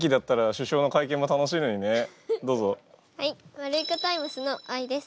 ワルイコタイムスのあいです。